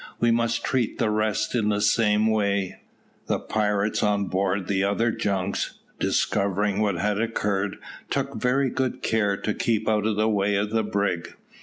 "We must treat the rest in the same way." The pirates on board the other junks, discovering what had occurred, took very good care to keep out of the way of the brig.